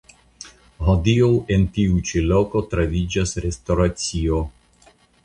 Hodiaŭ en tiuj ĉi lokoj troviĝas restoracio.